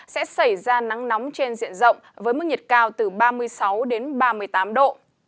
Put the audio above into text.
sẽ xảy ra nắng nóng trên diện rộng với mức nhiệt cao từ ba mươi sáu đến ba mươi tám độ